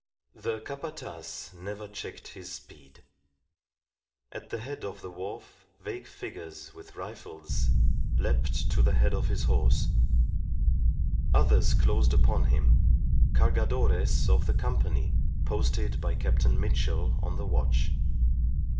The Capataz never checked his speed. At the head of the wharf vague figures with rifles leapt to the head of his horse; others closed upon him cargadores of the company posted by Captain Mitchell on the watch.